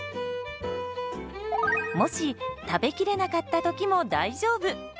もし食べきれなかった時も大丈夫。